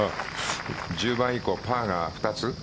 １０番以降、パーが２つ。